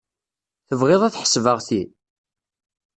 Tebɣid ad ḥesbeɣ ti?